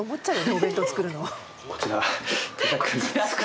お弁当作るの。